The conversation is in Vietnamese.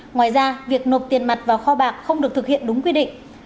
ngoài ra việc nộp tiền mặt vào kho bạc không được thực hiện đúng quy định